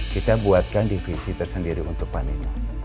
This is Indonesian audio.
kita buatkan divisi tersendiri untuk pak nino